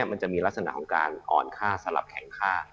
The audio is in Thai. มันจะมีลักษณะของการอ่อนค่าสลับแข็งค่า